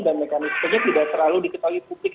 dan mekanismenya tidak terlalu diketahui publik